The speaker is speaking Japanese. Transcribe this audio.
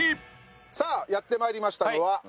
さあやってまいりましたのはこちら。